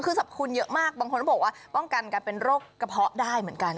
คือสรรพคุณเยอะมากบางคนก็บอกว่าป้องกันการเป็นโรคกระเพาะได้เหมือนกัน